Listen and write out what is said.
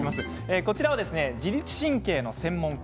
こちらは自律神経の専門家